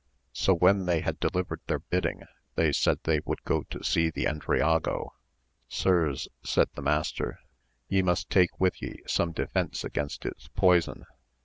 So when they had delivered their bidding they said they would go see the Endriago. Sirs, said the mas ter, ye must take with ye some defence against its poison.